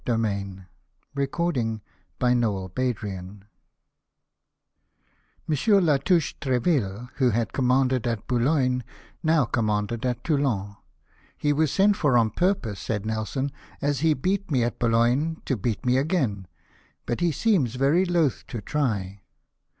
Forgive me, but my mother hated the French." M. Latouche Treville, who had commanded at Boulogne, 'commanded now at Toulon. " He was sent for on purpose," said Nelson, " as he heat me at Boulogne, to beat me again ; but he seems very loth to try."